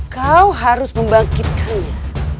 kau harus membangkitkannya